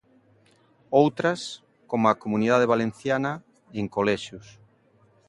Outras, como a Comunidade Valenciana, en colexios.